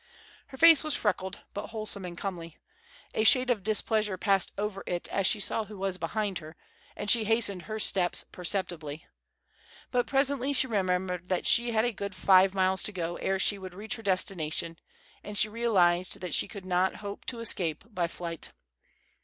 Her face was freckled, but wholesome and comely. A shade of displeasure passed over it as she saw who was behind her, and she hastened her steps perceptibly. But presently she remembered that she had a good five miles to go ere she would reach her destination; and she realized that she could not hope to escape by flight.